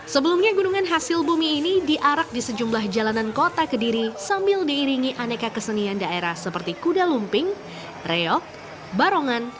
sebelumnya gunungan hasil bumi ini diarak di sejumlah jalanan kota kediri sambil diiringi aneka kesenian daerah seperti kuda lumping reok barongan